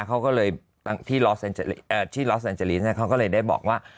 เขาก็เลยที่ลอสแอนเจลีนที่ลอสแอนเจลีนเนี่ยเขาก็เลยได้บอกว่า